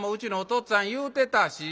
っつぁん言うてたし。